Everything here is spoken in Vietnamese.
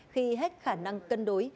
khi hết khả năng cân đối